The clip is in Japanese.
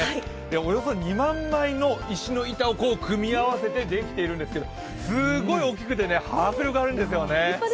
およそ２万枚の石の板を組み合わせてできているんですけどすごい大きくて迫力あるんですよね。